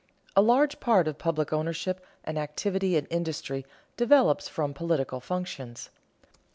_ A large part of public ownership and activity in industry develops from political functions.